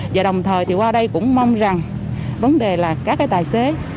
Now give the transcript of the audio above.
và đồng thời qua đây cũng mong rằng vấn đề là các tài xế